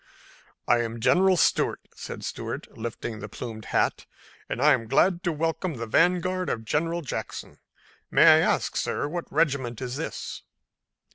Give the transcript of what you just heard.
"I am General Stuart," said Stuart, lifting the plumed hat, "and I am glad to welcome the vanguard of General Jackson. May I ask, sir, what regiment is this?"